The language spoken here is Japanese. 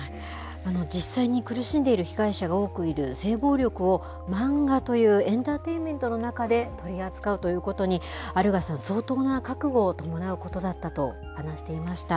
実際に苦しんでいる被害者が多くいる、性暴力を漫画というエンターテインメントの中で取り扱うということに、有賀さん、相当な覚悟を伴うことだったと話していました。